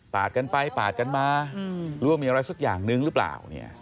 กันไปปาดกันมาหรือว่ามีอะไรสักอย่างนึงหรือเปล่า